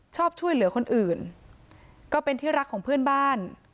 ชอบช่วยเหลือคนอื่นก็เป็นที่รักของเพื่อนบ้าน